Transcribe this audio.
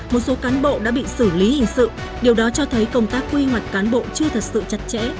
một số cán bộ đã bị xử lý hình sự điều đó cho thấy công tác quy hoạch cán bộ chưa thật sự chặt chẽ